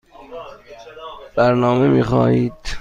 برنامه می خواهید؟